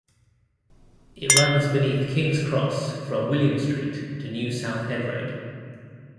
It runs beneath Kings Cross from William Street to New South Head Road.